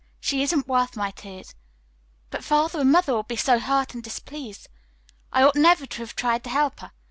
"She isn't worth my tears. But Father and Mother will be so hurt and displeased. I ought never to have tried to help her.